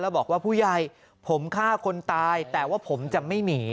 บอกว่าผู้ใหญ่ผมฆ่าคนตายแต่ว่าผมจะไม่หนี